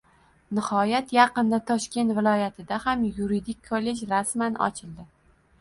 Nihoyat, yaqinda Toshkent viloyatida ham yuridik kollej rasman ochildi!